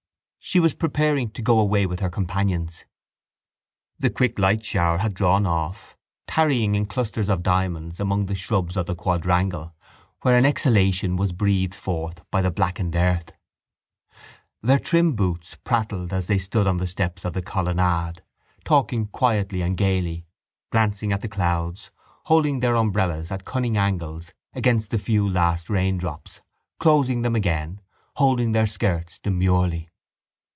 She was preparing to go away with her companions. The quick light shower had drawn off, tarrying in clusters of diamonds among the shrubs of the quadrangle where an exhalation was breathed forth by the blackened earth. Their trim boots prattled as they stood on the steps of the colonnade, talking quietly and gaily, glancing at the clouds, holding their umbrellas at cunning angles against the few last raindrops, closing them again, holding their skirts demurely.